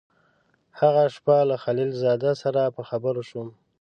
هغه شپه له خلیل زاده سره په خبرو شوم.